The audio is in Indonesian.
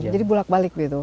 jadi bulak balik gitu